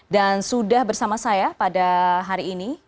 dan sudah bersama saya pada hari ini